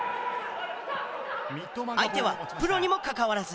相手はプロにもかかわらず。